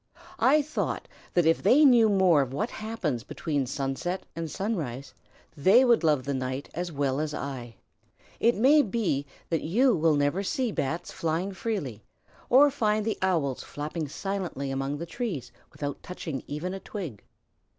I thought that if they knew more of what happens between sunset and sunrise they would love the night as well as I. It may be that you will never see Bats flying freely, or find the Owls flapping silently among the trees without touching even a twig.